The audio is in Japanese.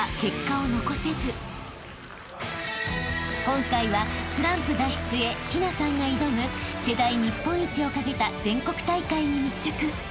［今回はスランプ脱出へ陽奈さんが挑む世代日本一を懸けた全国大会に密着］